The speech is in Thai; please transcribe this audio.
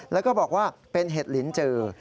แล้วก็บอกว่าเป็นเห็ดลินจือ